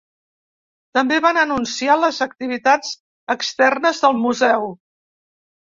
També van anunciar les activitats externes del museu.